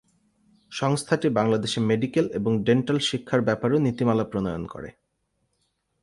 সংস্থাটি বাংলাদেশে মেডিকেল এবং ডেন্টাল শিক্ষার ব্যাপারেও নীতিমালা প্রনয়ন করে।